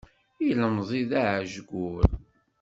Ilemẓi-a d aɛejgur.